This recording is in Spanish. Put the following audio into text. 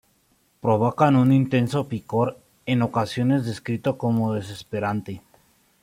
Provocan un intenso picor, en ocasiones descrito como desesperante.